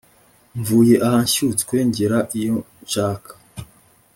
Mvuye aha nshyutswe ngera iyo nshak